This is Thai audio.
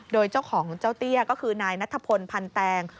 โดยเจ้าของเจ้าเตี้ยก็คือนายนัทพลพันแตง